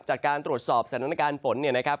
จากการตรวจสอบสถานการณ์ฝนเนี่ยนะครับ